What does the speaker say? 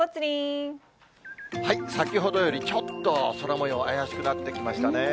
先ほどよりちょっと空もよう、怪しくなってきましたね。